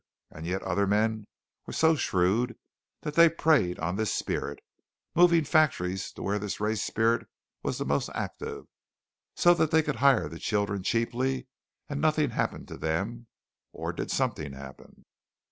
And yet other men were so shrewd that they preyed on this spirit, moving factories to where this race spirit was the most active, so that they could hire the children cheaply, and nothing happened to them, or did something happen?